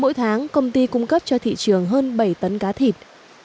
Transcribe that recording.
mỗi tháng công ty cung cấp cho thị trường hơn bảy tấn cá thịt